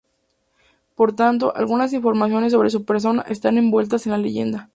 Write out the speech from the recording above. Por tanto, algunas informaciones sobre su persona están envueltas en la leyenda.